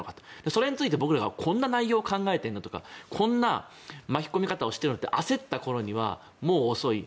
それについて僕らはこんな内容を考えていたんだとかこんな巻き込み方をしてるのって焦ったころにはもう遅い。